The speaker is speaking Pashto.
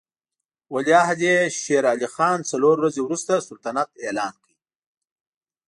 ولیعهد یې شېر علي خان څلور ورځې وروسته سلطنت اعلان کړ.